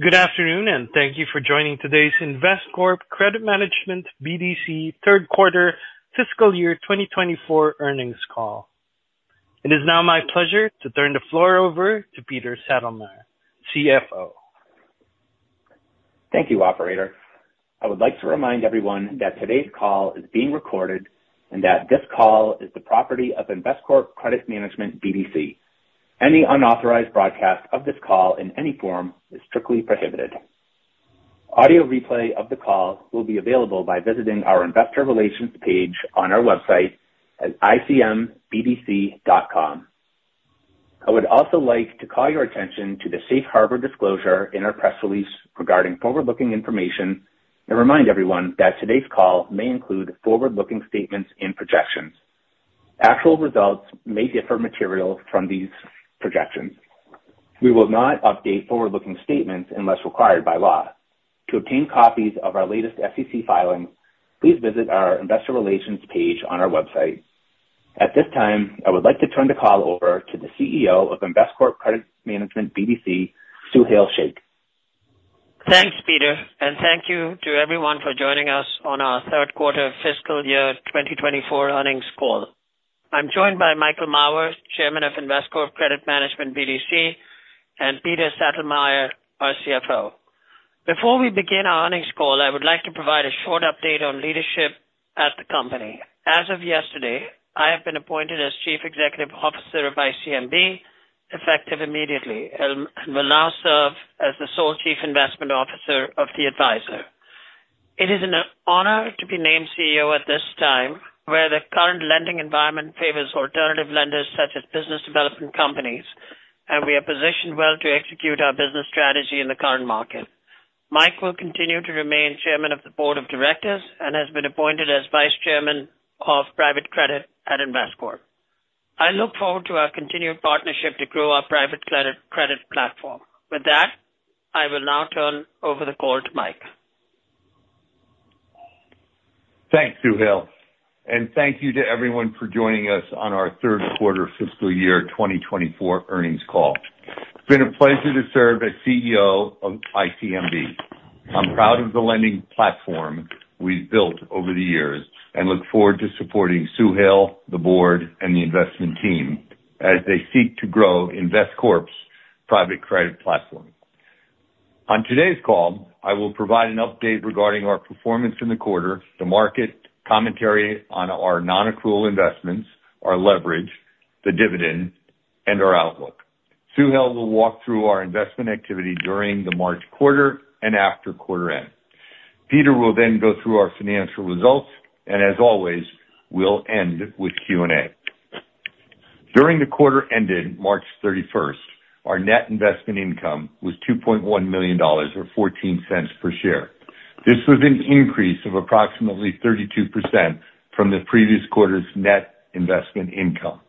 Good afternoon, and thank you for joining today's Investcorp Credit Management BDC Third Quarter Fiscal Year 2024 Earnings Call. It is now my pleasure to turn the floor over to Peter Sattlemair, CFO. Thank you, operator. I would like to remind everyone that today's call is being recorded and that this call is the property of Investcorp Credit Management BDC. Any unauthorized broadcast of this call in any form is strictly prohibited. Audio replay of the call will be available by visiting our investor relations page on our website at icmbdc.com. I would also like to call your attention to the Safe Harbor disclosure in our press release regarding forward-looking information and remind everyone that today's call may include forward-looking statements and projections. Actual results may differ materially from these projections. We will not update forward-looking statements unless required by law. To obtain copies of our latest SEC filings, please visit our investor relations page on our website. At this time, I would like to turn the call over to the CEO of Investcorp Credit Management BDC, Suhail Shaikh. Thanks, Peter, and thank you to everyone for joining us on our third quarter fiscal year 2024 earnings call. I'm joined by Michael Mauer, Chairman of Investcorp Credit Management BDC, and Peter Sattlemair, our CFO. Before we begin our earnings call, I would like to provide a short update on leadership at the company. As of yesterday, I have been appointed as Chief Executive Officer of ICMB, effective immediately, and will now serve as the sole Chief Investment Officer of the advisor. It is an honor to be named CEO at this time, where the current lending environment favors alternative lenders, such as business development companies, and we are positioned well to execute our business strategy in the current market. Mike will continue to remain Chairman of the board of directors and has been appointed as Vice Chairman of Private Credit at Investcorp. I look forward to our continued partnership to grow our private credit, credit platform. With that, I will now turn over the call to Mike. Thanks, Suhail, and thank you to everyone for joining us on our third quarter fiscal year 2024 earnings call. It's been a pleasure to serve as CEO of ICMB. I'm proud of the lending platform we've built over the years and look forward to supporting Suhail, the board, and the investment team as they seek to grow Investcorp's private credit platform. On today's call, I will provide an update regarding our performance in the quarter, the market, commentary on our nonaccrual investments, our leverage, the dividend, and our outlook. Suhail will walk through our investment activity during the March quarter and after quarter end. Peter will then go through our financial results, and as always, we'll end with Q&A. During the quarter ending March 31, our net investment income was $2.1 million or $0.14 per share. This was an increase of approximately 32% from the previous quarter's net investment income.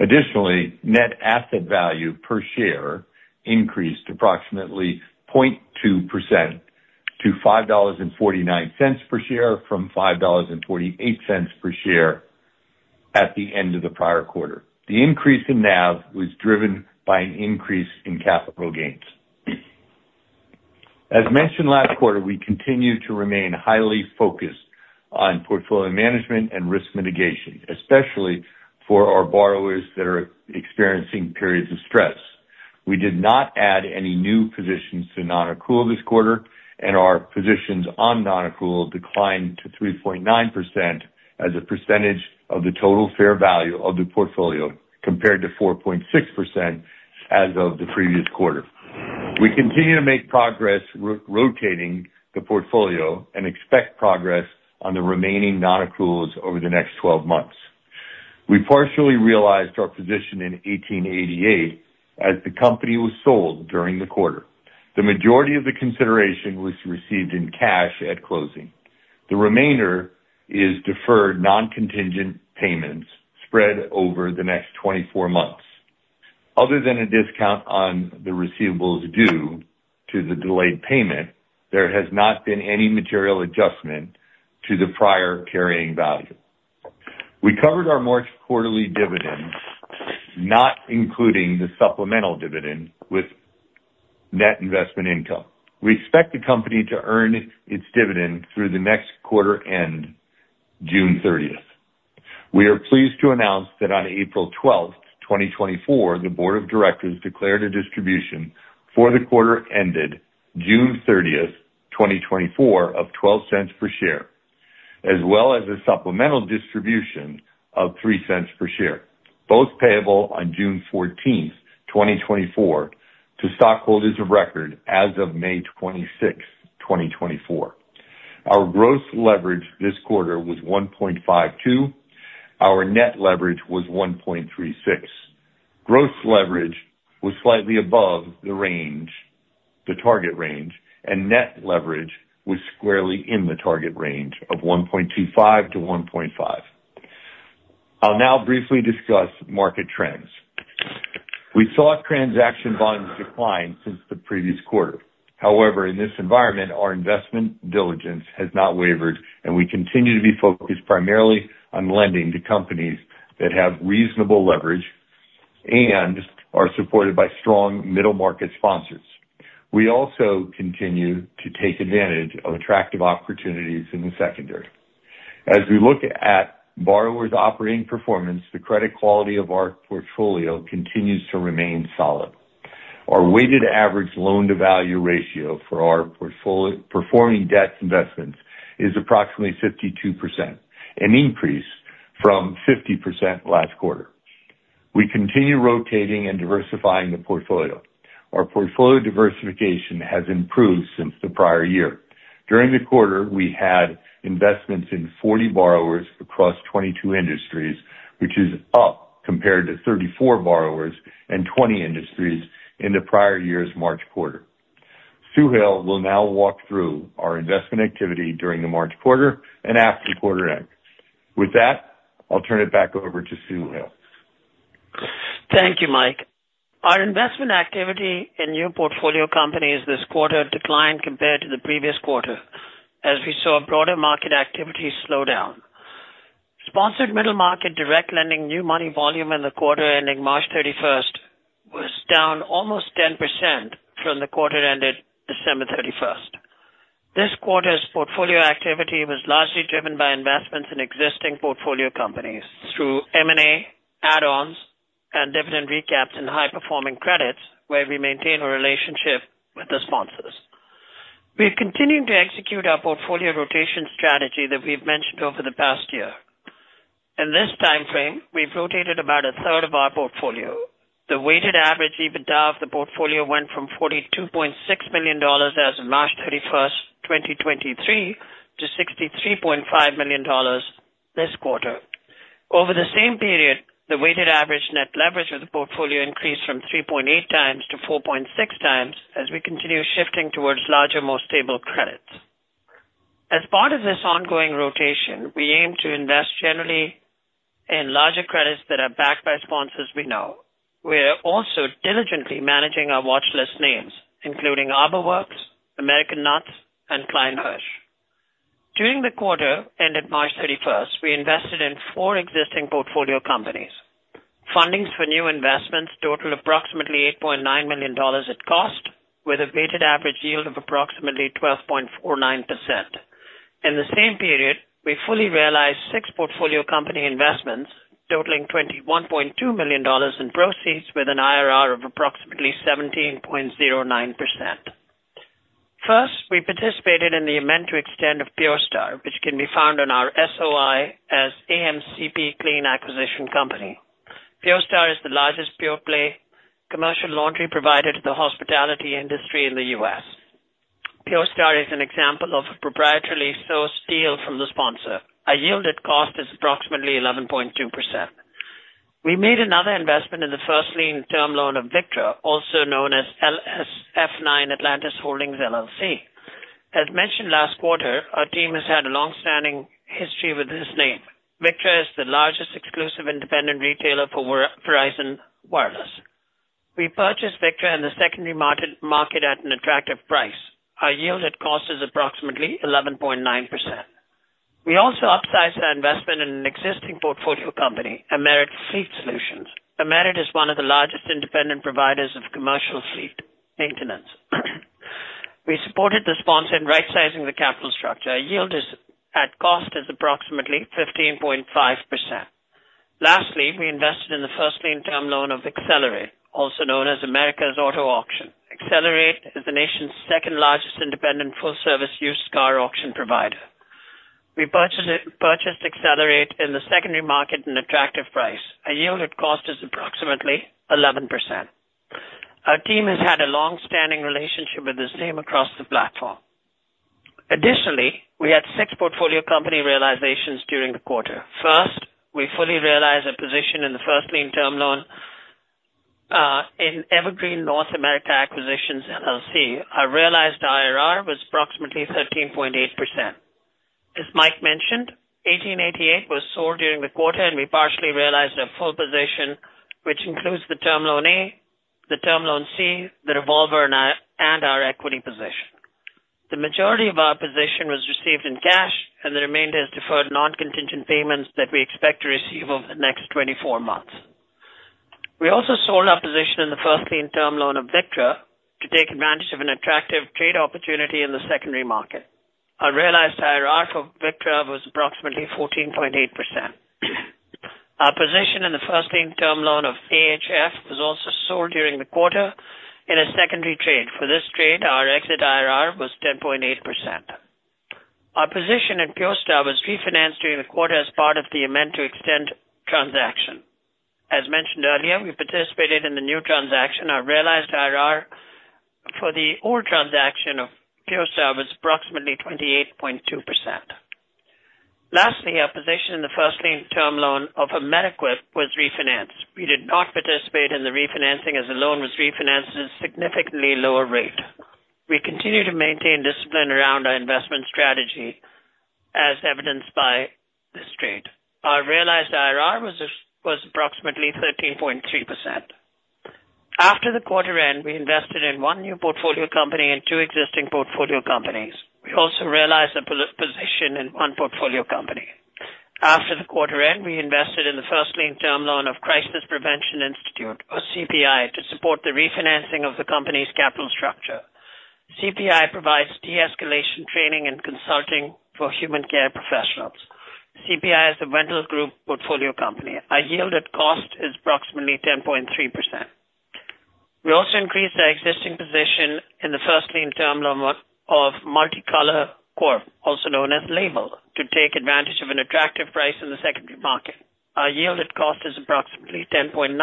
Additionally, net asset value per share increased approximately 0.2% to $5.49 per share from $5.28 per share at the end of the prior quarter. The increase in NAV was driven by an increase in capital gains. As mentioned last quarter, we continue to remain highly focused on portfolio management and risk mitigation, especially for our borrowers that are experiencing periods of stress. We did not add any new positions to nonaccrual this quarter, and our positions on nonaccrual declined to 3.9% as a percentage of the total fair value of the portfolio, compared to 4.6% as of the previous quarter. We continue to make progress rotating the portfolio and expect progress on the remaining nonaccruals over the next 12 months. We partially realized our position in 1888 as the company was sold during the quarter. The majority of the consideration was received in cash at closing. The remainder is deferred, non-contingent payments spread over the next 24 months. Other than a discount on the receivables due to the delayed payment, there has not been any material adjustment to the prior carrying value. We covered our March quarterly dividend, not including the supplemental dividend, with net investment income. We expect the company to earn its dividend through the next quarter end, June thirtieth. We are pleased to announce that on April twelfth, 2024, the board of directors declared a distribution for the quarter ended June thirtieth, 2024, of $0.12 per share, as well as a supplemental distribution of $0.03 per share, both payable on June fourteenth, 2024, to stockholders of record as of May twenty-sixth, 2024. Our gross leverage this quarter was 1.52. Our net leverage was 1.36. Gross leverage was slightly above the range, the target range, and net leverage was squarely in the target range of 1.25-1.5. I'll now briefly discuss market trends. We saw transaction volumes decline since the previous quarter. However, in this environment, our investment diligence has not wavered, and we continue to be focused primarily on lending to companies that have reasonable leverage-... They are supported by strong middle market sponsors. We also continue to take advantage of attractive opportunities in the secondary. As we look at borrowers' operating performance, the credit quality of our portfolio continues to remain solid. Our weighted average loan-to-value ratio for our portfolio-performing debt investments is approximately 52%, an increase from 50% last quarter. We continue rotating and diversifying the portfolio. Our portfolio diversification has improved since the prior year. During the quarter, we had investments in 40 borrowers across 22 industries, which is up compared to 34 borrowers and 20 industries in the prior year's March quarter. Suhail will now walk through our investment activity during the March quarter and after the quarter end. With that, I'll turn it back over to Suhail. Thank you, Mike. Our investment activity in new portfolio companies this quarter declined compared to the previous quarter, as we saw broader market activity slow down. Sponsored Middle Market Direct Lending new money volume in the quarter ending March thirty-first was down almost 10% from the quarter that ended December thirty-first. This quarter's portfolio activity was largely driven by investments in existing portfolio companies through M&A, add-ons, and dividend recaps in high-performing credits, where we maintain a relationship with the sponsors. We've continued to execute our portfolio rotation strategy that we've mentioned over the past year. In this timeframe, we've rotated about a third of our portfolio. The weighted average EBITDA of the portfolio went from $42.6 million as of March thirty-first, 2023, to $63.5 million this quarter. Over the same period, the weighted average net leverage of the portfolio increased from 3.8x to 4.6x, as we continue shifting towards larger, more stable credits. As part of this ongoing rotation, we aim to invest generally in larger credits that are backed by sponsors we know. We are also diligently managing our watchlist names, including ArborWorks, American Nuts, and Klein Hersh. During the quarter ended March 31, we invested in four existing portfolio companies. Fundings for new investments totaled approximately $8.9 million at cost, with a weighted average yield of approximately 12.49%. In the same period, we fully realized six portfolio company investments, totaling $21.2 million in proceeds with an IRR of approximately 17.09%. First, we participated in the amend to extend of PureStar, which can be found on our SOI as AMCP Clean Acquisition Company. PureStar is the largest pure play commercial laundry provider to the hospitality industry in the U.S. PureStar is an example of a proprietarily sourced deal from the sponsor. Our yield at cost is approximately 11.2%. We made another investment in the first lien term loan of Victra, also known as LSF9 Atlantis Holdings, LLC. As mentioned last quarter, our team has had a long-standing history with this name. Victra is the largest exclusive independent retailer for Verizon Wireless. We purchased Victra in the secondary market at an attractive price. Our yield at cost is approximately 11.9%. We also upsized our investment in an existing portfolio company, Amerit Fleet Solutions. Amerit is one of the largest independent providers of commercial fleet maintenance. We supported the sponsor in rightsizing the capital structure. Our yield at cost is approximately 15.5%. Lastly, we invested in the first lien term loan of XLerate, also known as America's Auto Auction. XLerate is the nation's second largest independent full-service used car auction provider. We purchased XLerate in the secondary market at an attractive price. Our yield at cost is approximately 11%. Our team has had a long-standing relationship with the same across the platform. Additionally, we had six portfolio company realizations during the quarter. First, we fully realized a position in the first lien term loan in Evergreen North America Acquisitions, LLC. Our realized IRR was approximately 13.8%. As Mike mentioned, 1888 was sold during the quarter, and we partially realized our full position, which includes the term loan A, the term loan C, the revolver and our equity position. The majority of our position was received in cash, and the remainder is deferred non-contingent payments that we expect to receive over the next 24 months. We also sold our position in the first lien term loan of Victra to take advantage of an attractive trade opportunity in the secondary market. Our realized IRR for Victra was approximately 14.8%. Our position in the first lien term loan of AHF was also sold during the quarter in a secondary trade. For this trade, our exit IRR was 10.8%. Our position in PureStar was refinanced during the quarter as part of the amend to extend transaction. As mentioned earlier, we participated in the new transaction. Our realized IRR for the old transaction of PureStar was approximately 28.2%. Lastly, our position in the first lien term loan of Amerequip was refinanced. We did not participate in the refinancing, as the loan was refinanced at a significantly lower rate. We continue to maintain discipline around our investment strategy, as evidenced by this trade. Our realized IRR was approximately 13.3%. After the quarter end, we invested in one new portfolio company and two existing portfolio companies. We also realized a position in one portfolio company. After the quarter end, we invested in the first lien term loan of Crisis Prevention Institute, or CPI, to support the refinancing of the company's capital structure. CPI provides de-escalation training and consulting for human care professionals. CPI is a Wendel Group portfolio company. Our yield at cost is approximately 10.3%. We also increased our existing position in the first lien term loan of Multi-Color Corp, also known as Label, to take advantage of an attractive price in the secondary market. Our yield at cost is approximately 10.9%.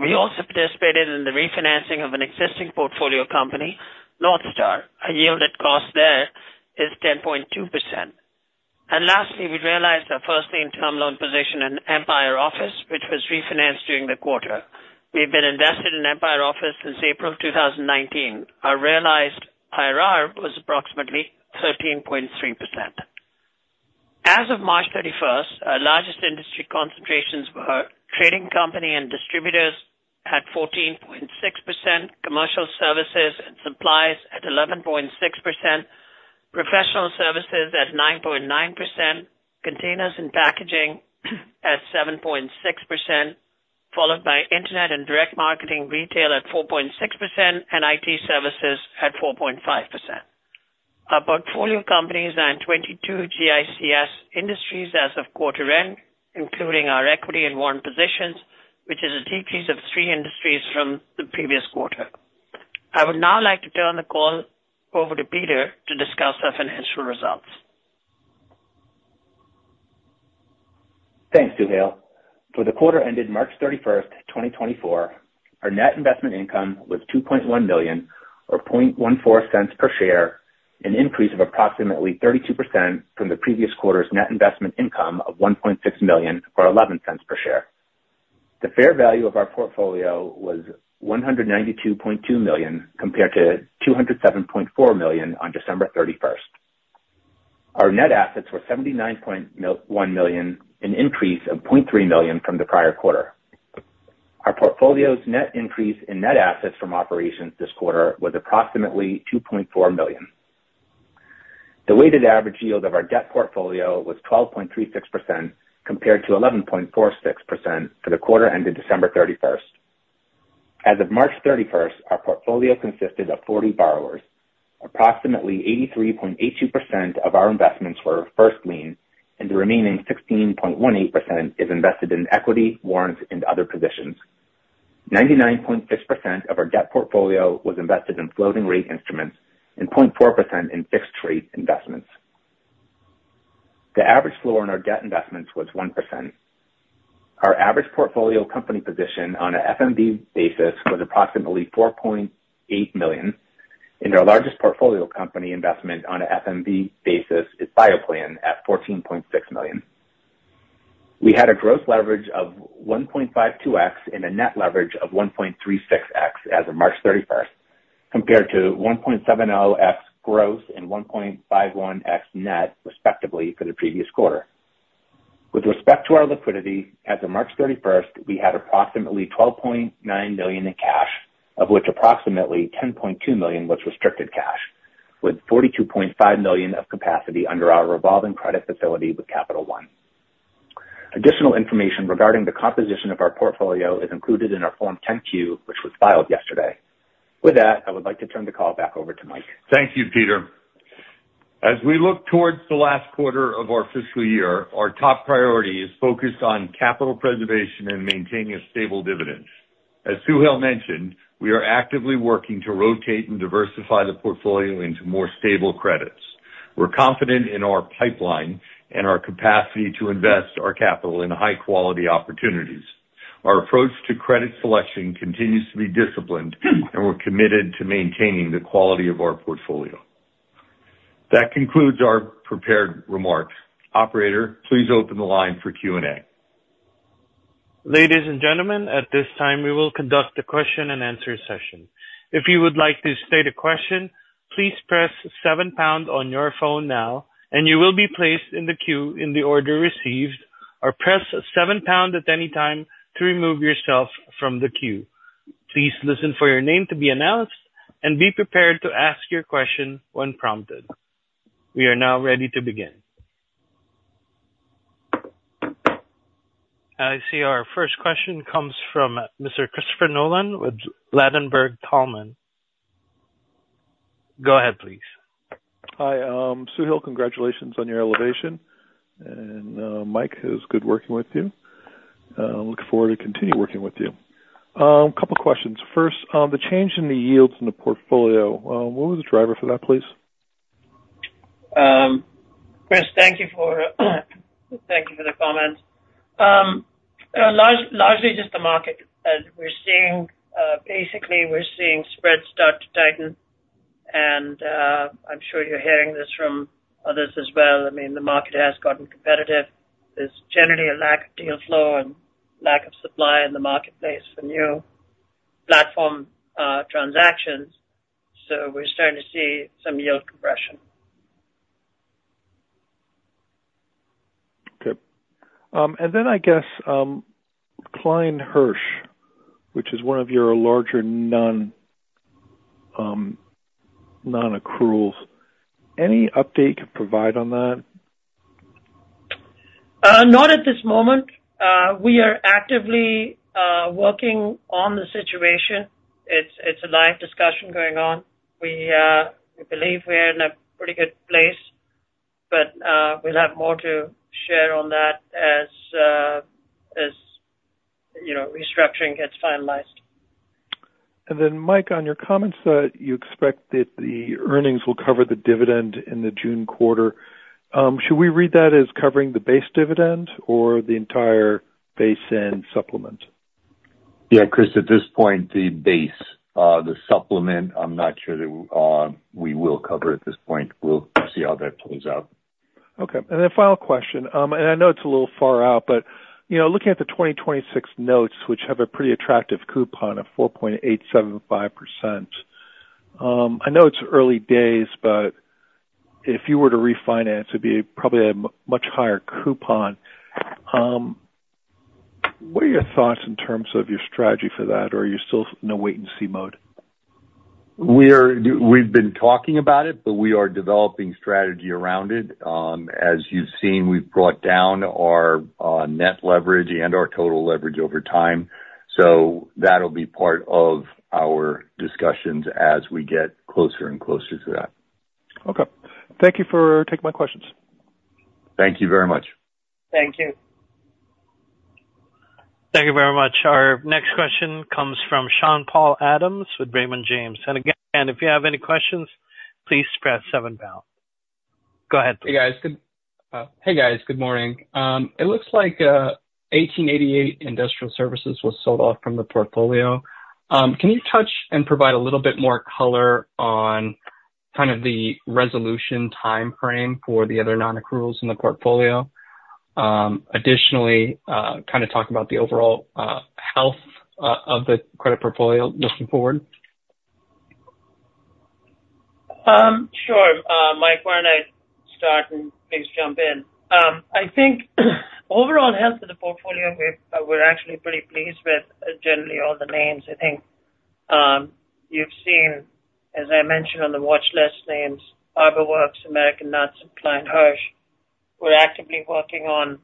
We also participated in the refinancing of an existing portfolio company, NorthStar. Our yield at cost there is 10.2%. And lastly, we realized our first lien term loan position in Empire Office, which was refinanced during the quarter. We've been invested in Empire Office since April of 2019. Our realized IRR was approximately 13.3%. As of March 31, our largest industry concentrations were trading company and distributors at 14.6%, commercial services and supplies at 11.6%, professional services at 9.9%, containers and packaging at 7.6%, followed by internet and direct marketing, retail at 4.6%, and IT services at 4.5%. Our portfolio companies are in 22 GICS industries as of quarter end, including our equity and warrant positions, which is a decrease of three industries from the previous quarter. I would now like to turn the call over to Peter to discuss our financial results. Thanks, Suhail. For the quarter ended March 31, 2024, our net investment income was $2.1 million, or 0.14 cents per share, an increase of approximately 32% from the previous quarter's net investment income of $1.6 million, or 11 cents per share. The fair value of our portfolio was $192.2 million, compared to $207.4 million on December 31. Our net assets were $79.1 million, an increase of $0.3 million from the prior quarter. Our portfolio's net increase in net assets from operations this quarter was approximately $2.4 million. The weighted average yield of our debt portfolio was 12.36%, compared to 11.46% for the quarter ended December 31. As of March 31, our portfolio consisted of 40 borrowers. Approximately 83.82% of our investments were first lien, and the remaining 16.18% is invested in equity, warrants, and other positions. 99.6% of our debt portfolio was invested in floating rate instruments and 0.4% in fixed rate investments. The average floor on our debt investments was 1%. Our average portfolio company position on an FMV basis was approximately $4.8 million, and our largest portfolio company investment on an FMV basis is BioPlan at $14.6 million. We had a gross leverage of 1.52x and a net leverage of 1.36x as of March 31st, compared to 1.70x gross and 1.51x net, respectively, for the previous quarter. With respect to our liquidity, as of March 31st, we had approximately $12.9 million in cash, of which approximately $10.2 million was restricted cash, with $42.5 million of capacity under our revolving credit facility with Capital One. Additional information regarding the composition of our portfolio is included in our Form 10-Q, which was filed yesterday. With that, I would like to turn the call back over to Mike. Thank you, Peter. As we look towards the last quarter of our fiscal year, our top priority is focused on capital preservation and maintaining a stable dividend. As Suhail mentioned, we are actively working to rotate and diversify the portfolio into more stable credits. We're confident in our pipeline and our capacity to invest our capital in high-quality opportunities. Our approach to credit selection continues to be disciplined, and we're committed to maintaining the quality of our portfolio. That concludes our prepared remarks. Operator, please open the line for Q&A. Ladies and gentlemen, at this time, we will conduct a question-and-answer session. If you would like to state a question, please press seven pound on your phone now, and you will be placed in the queue in the order received, or press seven pound at any time to remove yourself from the queue. Please listen for your name to be announced, and be prepared to ask your question when prompted. We are now ready to begin. I see our first question comes from Mr. Christopher Nolan with Ladenburg Thalmann. Go ahead, please. Hi, Suhail, congratulations on your elevation. Mike, it was good working with you. Looking forward to continue working with you. A couple questions. First, on the change in the yields in the portfolio, what was the driver for that, please? Chris, thank you for, thank you for the comment. Largely just the market as we're seeing. Basically, we're seeing spreads start to tighten, and, I'm sure you're hearing this from others as well. I mean, the market has gotten competitive. There's generally a lack of deal flow and lack of supply in the marketplace for new platform transactions, so we're starting to see some yield compression. ... Okay. And then I guess, Klein Hersh, which is one of your larger non-accruals, any update you could provide on that? Not at this moment. We are actively working on the situation. It's a live discussion going on. We believe we're in a pretty good place, but we'll have more to share on that as you know, restructuring gets finalized. And then, Mike, on your comments that you expect that the earnings will cover the dividend in the June quarter, should we read that as covering the base dividend or the entire base and supplement? Yeah, Chris, at this point, the base. The supplement, I'm not sure that we will cover at this point. We'll see how that plays out. Okay. And then final question, and I know it's a little far out, but, you know, looking at the 2026 notes, which have a pretty attractive coupon of 4.875%, I know it's early days, but if you were to refinance, it'd be probably a much higher coupon. What are your thoughts in terms of your strategy for that, or are you still in a wait and see mode? We've been talking about it, but we are developing strategy around it. As you've seen, we've brought down our net leverage and our total leverage over time. So that'll be part of our discussions as we get closer and closer to that. Okay. Thank you for taking my questions. Thank you very much. Thank you. Thank you very much. Our next question comes from Sean-Paul Adams with Raymond James. Again, if you have any questions, please press seven pound. Go ahead, please. Hey, guys. Good morning. It looks like 1888 Industrial Services was sold off from the portfolio. Can you touch and provide a little bit more color on kind of the resolution timeframe for the other nonaccruals in the portfolio? Additionally, kind of talk about the overall health of the credit portfolio looking forward. Sure. Mike, why don't I start and please jump in. I think overall health of the portfolio, we're, we're actually pretty pleased with generally all the names. I think, you've seen, as I mentioned on the watchlist names, ArborWorks, American Nuts and Klein Hersh. We're actively working on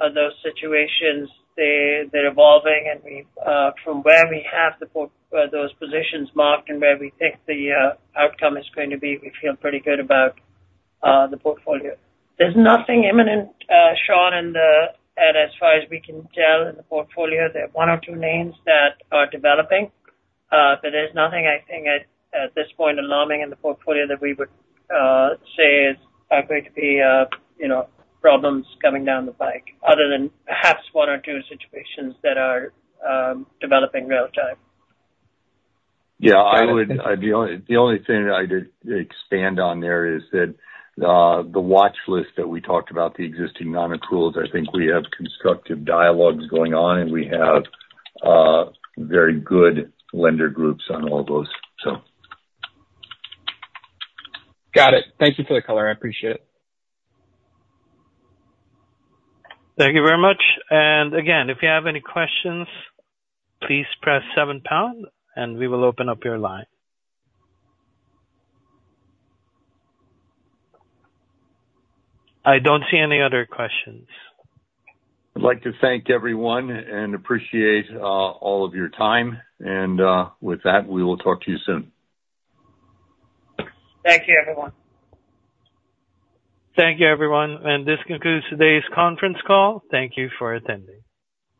those situations. They're, they're evolving and we've from where we have those positions marked and where we think the outcome is going to be, we feel pretty good about the portfolio. There's nothing imminent, Sean, in the... As far as we can tell in the portfolio, there are one or two names that are developing, but there's nothing I think at this point alarming in the portfolio that we would say are going to be, you know, problems coming down the pike, other than perhaps one or two situations that are developing real time. Yeah, the only, the only thing I'd expand on there is that, the watchlist that we talked about, the existing nonaccruals, I think we have constructive dialogues going on, and we have very good lender groups on all those, so. Got it. Thank you for the color. I appreciate it. Thank you very much. And again, if you have any questions, please press seven pound, and we will open up your line. I don't see any other questions. I'd like to thank everyone and appreciate all of your time. With that, we will talk to you soon. Thank you, everyone. Thank you, everyone. This concludes today's conference call. Thank you for attending.